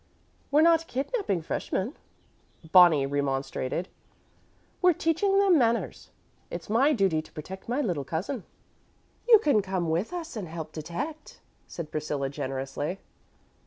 "We're not kidnapping freshmen," Bonnie remonstrated; "we're teaching them manners. It's my duty to protect my little cousin." "You can come with us and help detect," said Priscilla, generously.